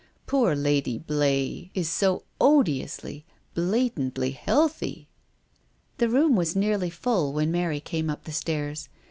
Poor Lady Blay is so odiously, blatantly healthy." The room was nearly full when Mary came up the stairs.